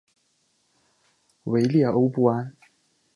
维列欧布安。